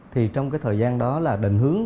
thì trong cái thời gian đó là định hướng